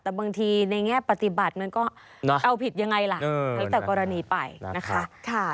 แต่บางทีในแง่ปฏิบัติมันก็เอาผิดยังไงล่ะให้แต่กรณีไปนะคะ